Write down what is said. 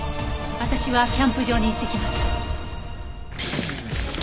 私はキャンプ場に行ってきます。